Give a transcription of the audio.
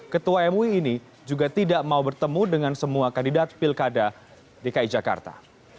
ketua mui ini juga tidak mau bertemu dengan semua kandidat pilkada dki jakarta